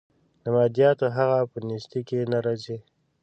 د مادیاتو هغه په نیستۍ کې نه راځي.